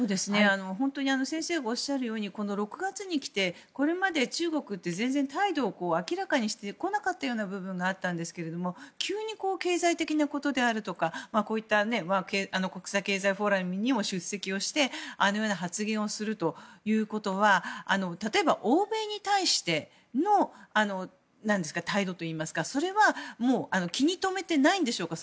本当に先生がおっしゃるように６月にきてこれまで中国って、全然態度を明らかにしてこなかったような部分があったんですけど急に経済的なことであるとかこういった国際経済フォーラムにも出席をして、あのような発言をするということは例えば欧米に対しての態度といいますか、それはそれは気に留めてないんでしょうか？